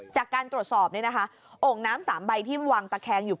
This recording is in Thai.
จากการตรวจสอบเนี่ยนะคะโอ่งน้ำ๓ใบที่มันวางตะแคงอยู่